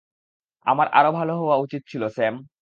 আমার আরও ভালো হওয়া উচিত ছিল, স্যাম।